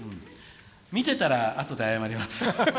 見てたら、あとで謝ります。